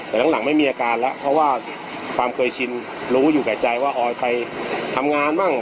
แต่หลังไม่มีอาการแล้วเพราะว่าความเคยชินรู้อยู่แก่ใจว่าออยไปทำงานบ้าง